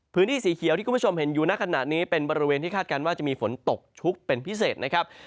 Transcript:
พื้นที่สีเขียวที่คุณผู้ชมเห็นอยู่ในขณะนี้เป็นบริเวณที่คาดการณ์ว่าจะมีฝนตกชุกเป็นพิเศษนะครับ